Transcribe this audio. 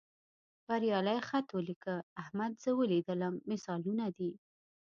بریالي خط ولیکه، احمد زه ولیدلم مثالونه دي.